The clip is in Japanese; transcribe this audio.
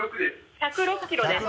１０６キロです。